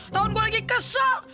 tauan gue lagi kesel